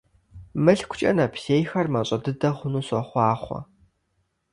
МылъкукӀэ нэпсейхэр мащӀэ дыдэ хъуну сохъуахъуэ!